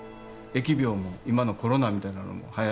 疫病も今のコロナみたいなのもはやる。